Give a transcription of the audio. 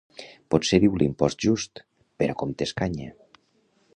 Potser diu l'impost just, però com t'escanya!